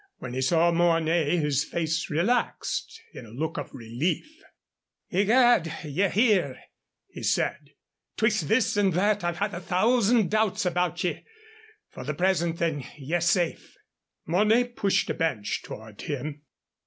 When he saw Mornay his face relaxed in a look of relief. "Egad! ye're here," he said. "'Twixt this and that I've had a thousand doubts about ye. For the present, then, ye're safe." Mornay pushed a bench towards him.